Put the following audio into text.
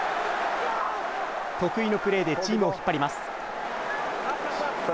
得意のプレーでチームを引っ張ります。